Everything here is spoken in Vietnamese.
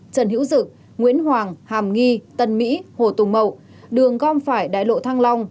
trần hữu dự nguyễn hoàng hàm nghi tân mỹ hồ tùng mậu đường gom phải đại lộ thăng long